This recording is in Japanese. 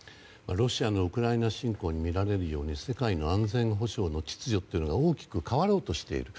ロシアのウクライナ侵攻にみられるように世界の安全保障の秩序というのが大きく変わろうとしている。